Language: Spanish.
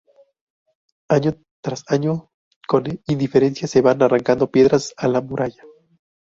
Año tras año, con indiferencia se van arrancando piedras a la muralla.